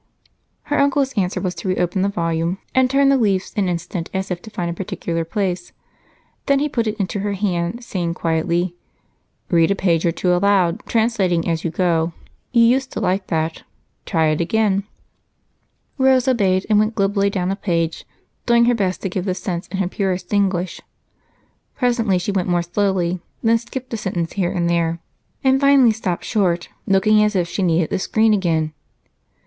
Her uncle's answer was to reopen the volume and turn the leaves an instant as if to find a particular place. Then he put it into her hand, saying quietly: "Read a page or two aloud, translating as you go. You used to like that try it again." Rose obeyed and went glibly down a page, doing her best to give the sense in her purest English. Presently she went more slowly, then skipped a sentence here and there, and finally stopped short, looking as if she needed a screen again.